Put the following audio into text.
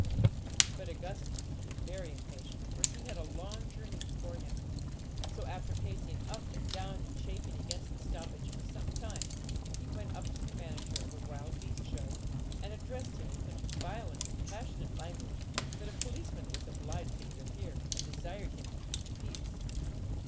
But Augustus became very impatient, for he had a long journey before him; so, after pacing up and down and chafing against the stoppage for some time, he went up to the manager of the wild beast show, and addressed him in such violent and passionate language, that a policeman was obliged to interfere, and desired him to keep the peace.